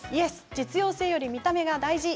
実用性より見た目が大事。